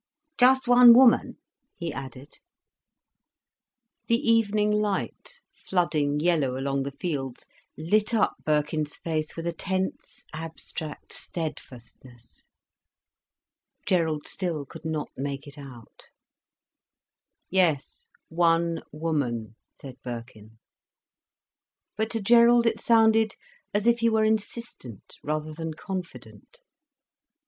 "Just one woman?" he added. The evening light, flooding yellow along the fields, lit up Birkin's face with a tense, abstract steadfastness. Gerald still could not make it out. "Yes, one woman," said Birkin. But to Gerald it sounded as if he were insistent rather than confident.